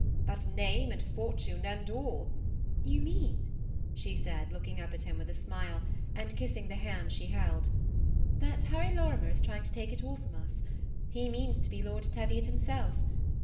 that name, and fortune, and all " "You mean," she said, looking up at him with a smile, and kissing the hand she held, "that Harry Lorimer is trying to take it all from us. He means to be Lord Teviot himself.